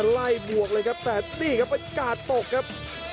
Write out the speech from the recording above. บวกเลยครับแต่นี่ครับเป็นกาดตกครับ